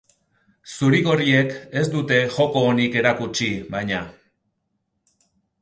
Zuri-gorriek ez dute joko onik erakutsi, baina.